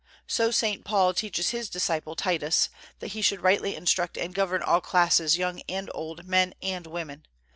So St. Paul teaches his disciple Titus, that he should rightly instruct and govern all classes, young and old, men and women.